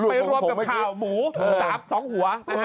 ไปรวมกับข่าวหมู๓๒หัว